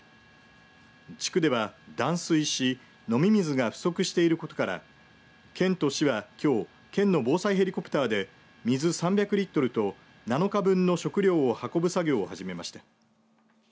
地区では断水し飲み水が不足していることから県と市はきょう県の防災ヘリコプターで水３００リットルと７日分の食料を運ぶ作業を始めました。